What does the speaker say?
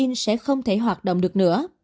vì vậy các gai protein sẽ không thể hoạt động được nữa